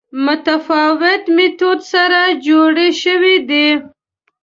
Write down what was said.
متفاوت میتود سره جوړې شوې دي